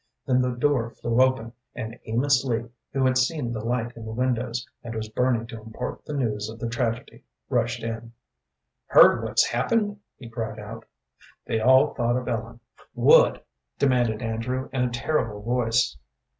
Then the door flew open, and Amos Lee, who had seen the light in the windows, and was burning to impart the news of the tragedy, rushed in. "Heard what's happened?" he cried out. They all thought of Ellen. "What?" demanded Andrew, in a terrible voice.